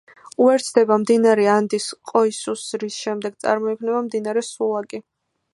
უერთდება მდინარე ანდის ყოისუს, რის შემდეგ წარმოიქმნება მდინარე სულაკი.